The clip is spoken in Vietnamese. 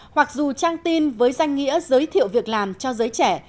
hoặc dù trang tin với danh nghĩa giới thiệu việc làm cho giới trẻ